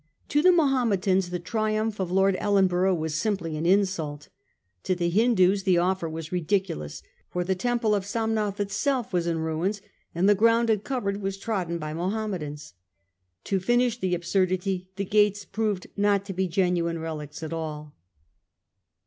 To the Mahometans the triumph of Lord Ellenborough was simply an insult. To the Hindoos the offer was ridiculous, for the temple of Somnauth itself was in ruins, and the ground it covered was trodden by Mahometans. To finish the absurdity, the gates proved not to be genuine relics at all.